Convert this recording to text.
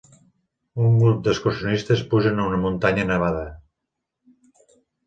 Un grup d'excursionistes pugen una muntanya nevada.